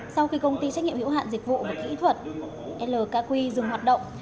sau khi công ty trách nhiệm hiệu hạn dịch vụ và kỹ thuật lkq dừng hoạt động